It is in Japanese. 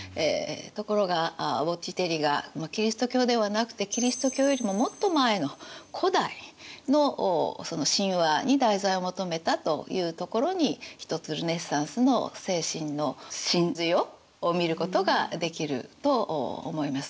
ところがボッティチェリがキリスト教ではなくてキリスト教よりももっと前の古代の神話に題材を求めたというところに一つルネサンスの精神の真髄を見ることができると思います。